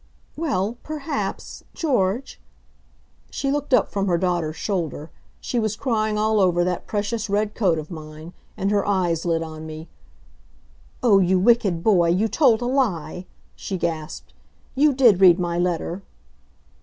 "Well, perhaps, George " She looked up from her daughter's shoulder she was crying all over that precious red coat of mine and her eyes lit on me. "Oh you wicked boy, you told a lie!" she gasped. "You did read my letter."